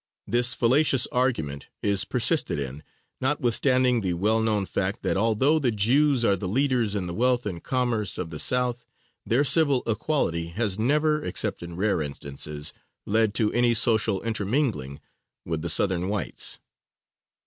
This fallacious argument is persisted in, notwithstanding the well known fact, that although the Jews are the leaders in the wealth and commerce of the South, their civil equality has never, except in rare instances, led to any social intermingling with the Southern whites.